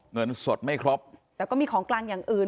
เงินสดไม่ครบแต่ก็มีของกลางอย่างอื่น